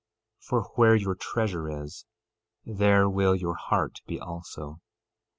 13:21 For where your treasure is, there will your heart be also.